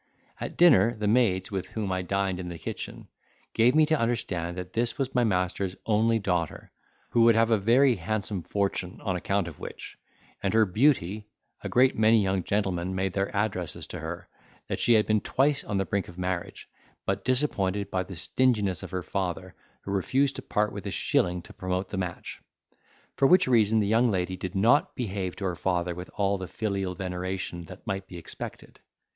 At dinner the maids, with whom I dined in the kitchen, gave me to understand that this was my master's only daughter, who would have a very handsome fortune, on account of which, and her beauty, a great many young gentlemen made their addresses to her—that she had been twice on the brink of marriage, but disappointed by the stinginess of her father, who refused to part with a shilling to promote the match; for which reason the young lady did not behave to her father with all the filial veneration that might be expected.